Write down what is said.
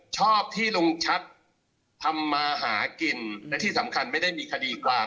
ชอบที่ลุงชัดทำมาหากินและที่สำคัญไม่ได้มีคดีความ